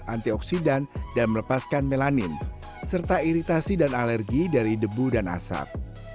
antioksidan dan melepaskan melanin serta iritasi dan alergi dari debu dan asap